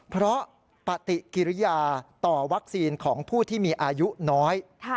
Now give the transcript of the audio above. เพราะปฏิกิริยาต่อวัคซีนของผู้ที่มีอายุน้อย